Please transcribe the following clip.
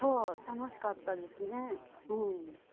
楽しかったですねうん。